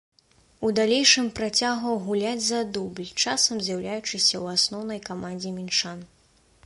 У далейшым працягваў гуляць за дубль, часам з'яўляючыся ў асноўнай камандзе мінчан.